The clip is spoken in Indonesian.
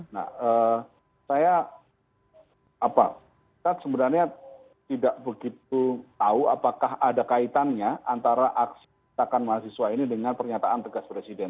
nah saya apa kita sebenarnya tidak begitu tahu apakah ada kaitannya antara aksi mahasiswa ini dengan pernyataan tegas presiden